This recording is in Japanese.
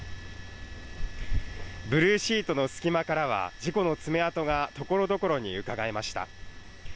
ブルーシートの隙間からは事故の爪痕が所々にうかがえました。